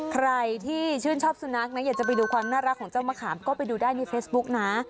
ใครที่ชื่นชอบสุนัขนะอยากจะไปดูความน่ารักของเจ้ามะขามก็ไปดูได้ในเฟซบุ๊กนะ